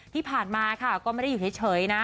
ที่ผ่านมาค่ะก็ไม่ได้อยู่เฉยนะ